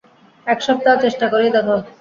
এক সপ্তাহ চেষ্টা করেই দেখো।